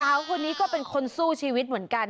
คุณพี่เสื้อขาวคนนี้ก็เป็นคนสู้ชีวิตเหมือนกัน